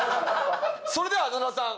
それでは野田さん